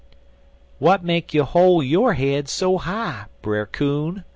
"'W'at make you hol' yo' head so high, Brer Coon?'